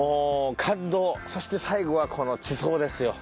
そして最後はこの地層ですよ。